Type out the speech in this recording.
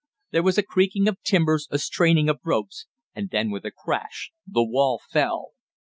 There was a creaking of timbers, a straining of ropes, and then, with a crash, the wall fell.